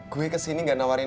kita tetap di mana bukan nyin